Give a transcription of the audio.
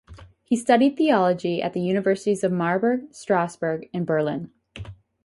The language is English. He studied theology at the universities of Marburg, Strassburg, and Berlin.